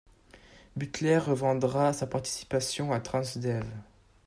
Butler revendra sa participation à Transdev.